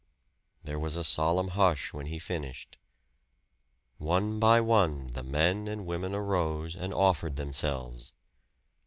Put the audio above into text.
There was a solemn hush when he finished; one by one the men and women arose and offered themselves.